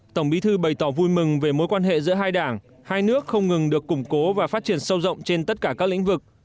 tổng bí thư bày tỏ vui mừng về mối quan hệ giữa hai đảng hai nước không ngừng được củng cố và phát triển sâu rộng trên tất cả các lĩnh vực